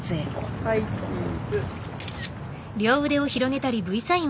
はいチーズ。